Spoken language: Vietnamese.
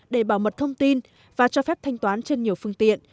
để bảo mật thông tin và cho phép thanh toán trên nhiều phương tiện